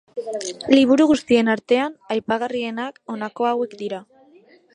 Liburu guztien artean aipagarrienak honako hauek dira.